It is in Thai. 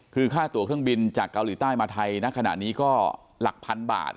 คือค่าตัวเครื่องบินจากเกาหลีใต้มาไทยณขณะนี้ก็หลักพันบาท